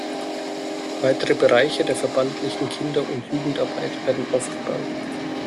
Weitere Bereiche der verbandlichen Kinder- und Jugendarbeit werden aufgebaut.